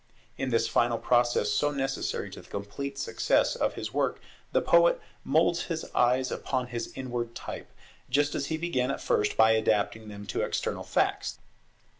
In this final process so necessary to the complete success of his work, the poet moulds his signs upon his inward type; just as he began at first by adapting them to external facts.